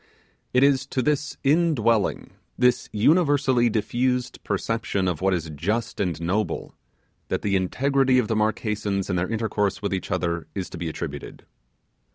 It is to this indwelling, this universally diffused perception of what is just and noble, that the integrity of the Marquesans in their intercourse with each other, is to be attributed.